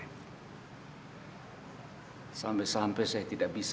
iya pak ustadz